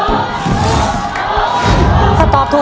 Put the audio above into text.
แล้ววันนี้ผมมีสิ่งหนึ่งนะครับเป็นตัวแทนกำลังใจจากผมเล็กน้อยครับ